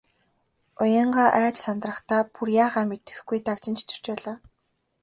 Уянгаа айж сандрахдаа бүр яахаа мэдэхгүй дагжин чичирч байлаа.